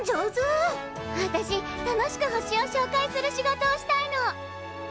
私楽しく星をしょうかいする仕事をしたいの！